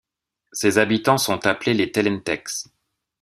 Ses habitants sont appelés les Telletencs.